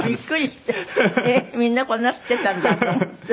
えっみんなこんな吸っていたんだと思って。